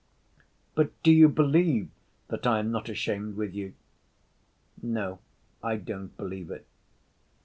"But do you believe that I am not ashamed with you?" "No, I don't believe it."